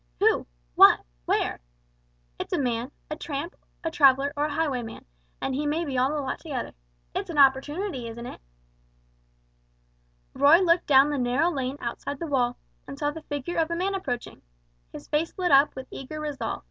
"Who? What? Where?" "It's a man; a tramp, a traveller or a highwayman, and he may be all the lot together! It's an opportunity, isn't it?" Roy looked down the narrow lane outside the wall, and saw the figure of a man approaching. His face lit up with eager resolve.